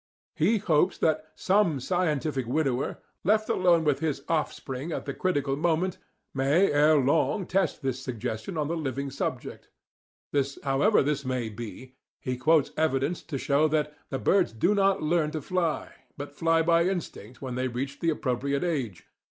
He hopes that "some scientific widower, left alone with his offspring at the critical moment, may ere long test this suggestion on the living subject." However this may be, he quotes evidence to show that "birds do not LEARN to fly," but fly by instinct when they reach the appropriate age (ib.